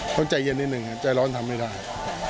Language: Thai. เขาใจเย็นนิดนึงใจร้อนทำไม่ได้